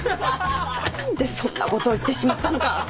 何でそんなことを言ってしまったのか。